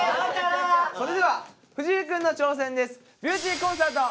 それでは藤井くんの挑戦です。